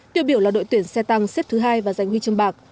tiêu biểu là đội tuyển xe tăng xếp thứ hai và giành huy chương bạc